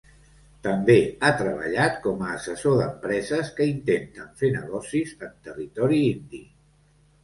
També ha treballat com a assessor d'empreses que intenten fer negocis en territori indi.